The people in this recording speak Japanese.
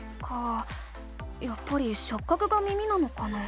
やっぱりしょっ角が耳なのかな？